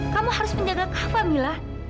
kamu harus menjaga kava mila